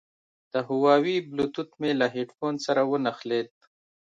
د هوواوي بلوتوت مې له هیډفون سره ونښلید.